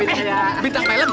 ah binatang film